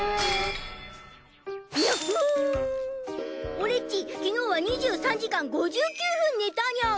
オレっち昨日は２３時間５９分寝たニャン！